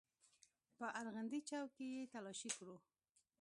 په ارغندې چوک کښې يې تلاشي کړو.